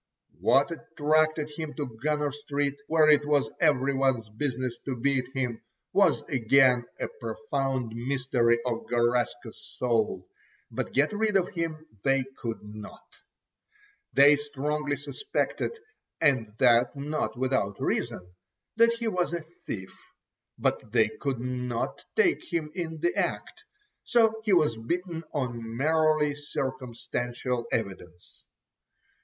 What attracted him to Gunner Street, where it was every one's business to beat him, was again a profound mystery of Garaska's soul, but get rid of him they could not. They strongly suspected, and that not without reason, that he was a thief, but they could not take him in the act, so he was beaten on merely circumstantial evidence.